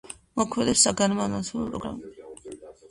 მოქმედებს საგანმანათლებლო პროგრამები,